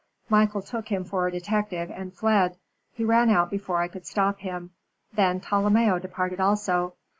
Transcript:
Michael took him for a detective, and fled. He ran out before I could stop him. Then Tolomeo departed also.